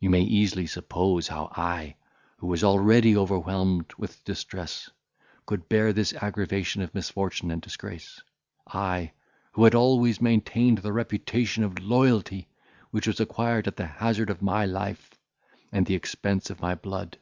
You may easily suppose how I, who was already overwhelmed with distress, could bear this aggravation of misfortune and disgrace: I, who had always maintained the reputation of loyalty, which was acquired at the hazard of my life, and the expense of my blood.